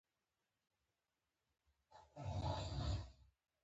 پنېر د لوبیا سره هم پخېږي.